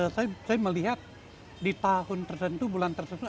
saya melihat di tahun tertentu bulan tertentu